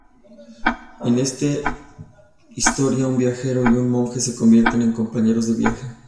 En esta historia un viajero y un monje se convierten en compañeros de viaje.